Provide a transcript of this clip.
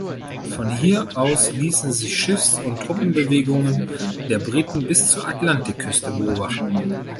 Von hier aus ließen sich Schiffs- und Truppenbewegungen der Briten bis zur Atlantikküste beobachten.